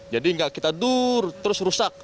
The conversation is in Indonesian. jadi nggak kita dur terus rusak